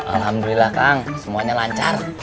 alhamdulillah kang semuanya lancar